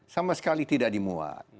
sama sekali tidak dimuat